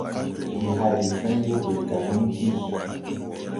Ndi hay de sãy wɔge Gabɔŋ ti.